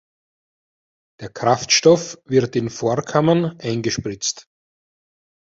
Der Kraftstoff wird in Vorkammern eingespritzt.